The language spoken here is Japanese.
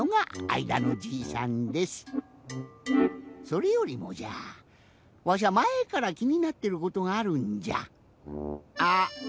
それよりもじゃわしゃまえからきになってることがあるんじゃ。